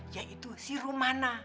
yaitu si romana